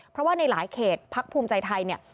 เพราะว่าในหลายเขตพักภูมิใจไทยเนี่ย